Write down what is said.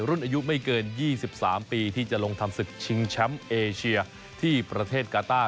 รุ่นอายุไม่เกิน๒๓ปีที่จะลงทำศึกชิงแชมป์เอเชียที่ประเทศกาต้า